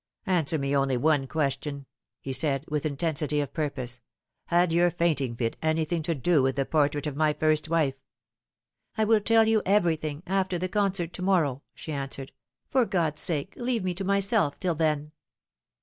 Answer me only one question," he said, with intensity of purpose :" had your faint iiig fit anything to do with the portrait of my first wife ?"" I will tell you everything after the concert to morrow," she answered ;" for God's sake leave me to myself till then."